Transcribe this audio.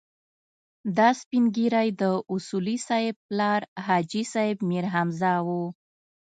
دا سپين ږيری د اصولي صیب پلار حاجي صیب میرحمزه و.